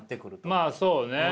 まあそうね。